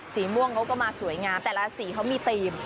สีม่วงเขาก็มาสวยงามแต่ละสีเขามีธีม